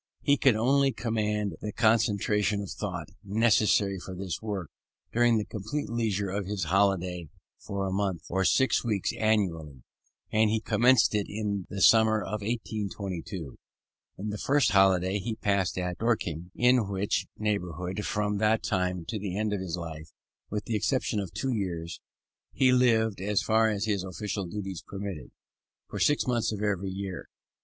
He could only command the concentration of thought necessary for this work, during the complete leisure of his holiday for a month or six weeks annually: and he commenced it in the summer of 1822, in the first holiday he passed at Dorking; in which neighbourhood, from that time to the end of his life, with the exception of two years, he lived, as far as his official duties permitted, for six months of every year.